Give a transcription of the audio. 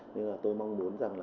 nhưng mà tôi mong muốn rằng là